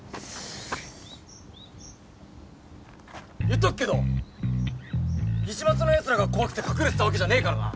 言っとくけど市松のやつらが怖くて隠れてたわけじゃねえからな。